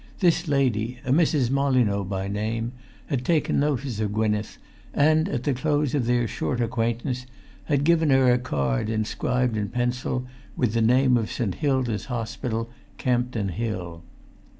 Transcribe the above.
This lady, a Mrs. Molyneux by name, had taken notice of Gwynneth, and, at the close of their short acquaintance, had given her a[Pg 349] card inscribed in pencil with the name of St. Hilda's Hospital, Campden Hill.